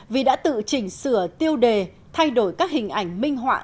vì đã tự chỉnh sửa tiêu đề thay đổi các hình ảnh minh họa